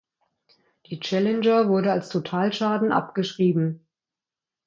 Die Challenger wurde als Totalschaden abgeschrieben.